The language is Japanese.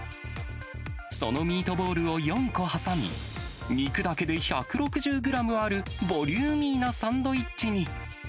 そのミートボールを４個挟み、肉だけで１６０グラムある、ボリューミーなサンドイッチに。